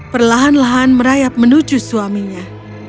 perlahan lahan merayap menuju suaminya